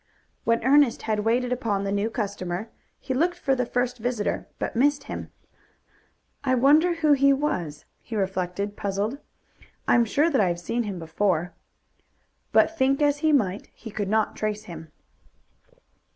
When Ernest had waited upon the new customer he looked for the first visitor, but missed him. "I wonder who he was," he reflected, puzzled. "I am sure that I have seen him before." But think as he might he could not trace him.